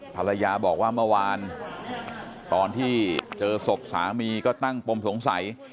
ภรรยาบอกว่าเมื่อวานตอนที่เจอศพสามีก็ตั้งปมสงสัย